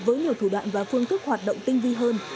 với nhiều thủ đoạn và phương thức hoạt động tinh vi hơn